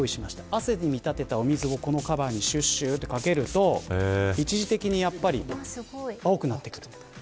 汗に見立てたお水をカバーにつけると一時的に青くなってくる。